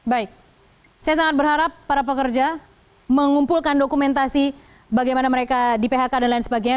baik saya sangat berharap para pekerja mengumpulkan dokumentasi bagaimana mereka di phk dan lain sebagainya